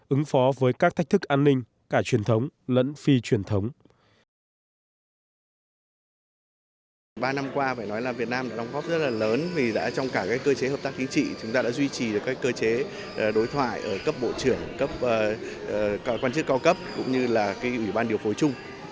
ứng phó với các thách thức an ninh cả truyền thống lẫn phi truyền thống